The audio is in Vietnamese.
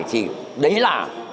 thì đấy là